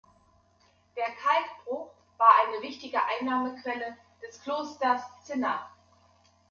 Der Kalkbruch war eine wichtige Einnahmequelle des Klosters Zinna.